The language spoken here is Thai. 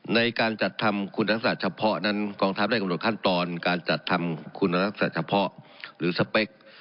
ในการจัดทำคุณทักษะเฉพาะนั้นกองทัพได้กำหนดขั้นตอนการจัดทำคุณลักษณะเฉพาะหรือสเปค